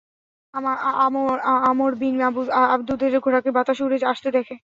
আমর বিন আবদূদের ঘোড়াকে বাতাসে উড়ে আসতে দেখে।